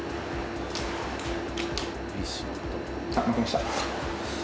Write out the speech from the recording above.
負けました。